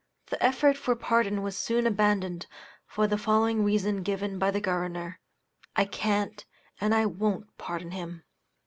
The effort for pardon was soon abandoned, for the following reason given by the Governor: "I can't, and I won't pardon him!"